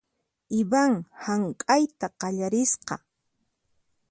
Ivan hank'ayta qallarisqa .